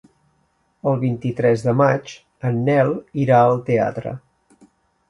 El vint-i-tres de maig en Nel irà al teatre.